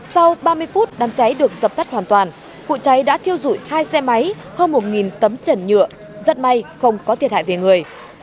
sau ba mươi phút đám cháy được dập tắt hoàn toàn vụ cháy đã thiêu dụi hai xe máy hơn một tấm trần nhựa rất may không có thiệt hại về người